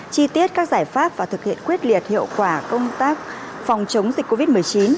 chi tiết các giải pháp và thực hiện quyết liệt hiệu quả công tác phòng chống dịch covid một mươi chín